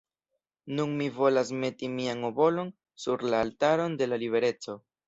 Nun mi volas meti mian obolon sur la altaron de la libereco.